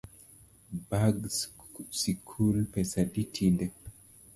Bag sikul pesa adi tinde?